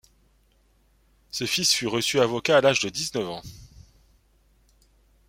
Ce fils fut reçu avocat à l'âge de dix-neuf ans.